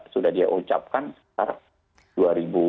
sudah dia ucapkan dua ribu sembilan belas yang lalu